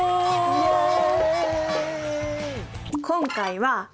イエイ！